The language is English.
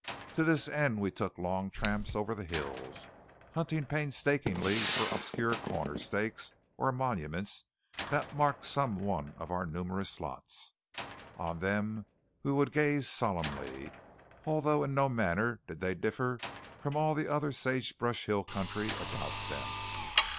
To this end we took long tramps over the hills, hunting painstakingly for obscure corner stakes or monuments that marked some one of our numerous lots. On them we would gaze solemnly, although in no manner did they differ from all the other sage brush hill country about them.